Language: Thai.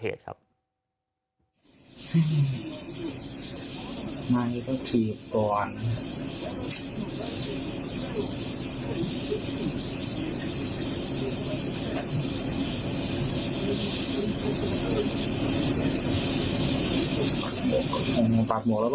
เกฟบ้าครับ